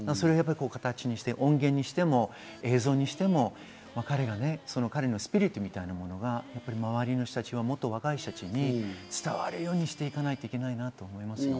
形にして音源にしても映像にしても彼のスピリットみたいなものが周りの人たち、もっと若い人たちに伝わるようにしていかないといけないなと思います。